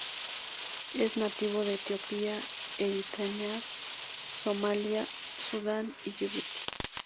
Es nativo de Etiopía, Eritrea, Somalia, Sudán y Yibuti.